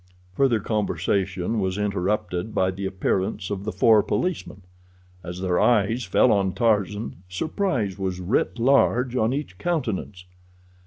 Further conversation was interrupted by the appearance of the four policemen. As their eyes fell on Tarzan, surprise was writ large on each countenance.